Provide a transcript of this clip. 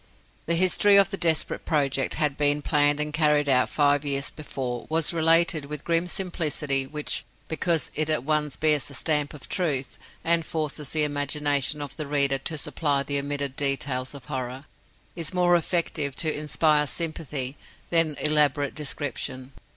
The history of the desperate project that had been planned and carried out five years before was related with grim simplicity which (because it at once bears the stamp of truth, and forces the imagination of the reader to supply the omitted details of horror), is more effective to inspire sympathy than elaborate description.